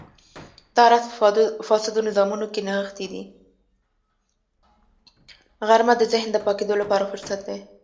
غرمه د ذهن د پاکېدو لپاره فرصت دی